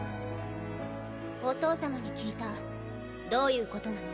お父様に聞いたどういうことなの？